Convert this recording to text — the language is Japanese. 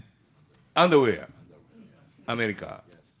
アンダーウエア、アメリカ。